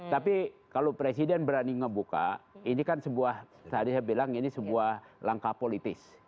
tapi kalau presiden berani ngebuka ini kan sebuah tadi saya bilang ini sebuah langkah politis